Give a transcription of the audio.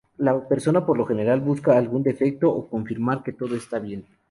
La persona por lo general busca algún defecto o confirmar que todo está bien.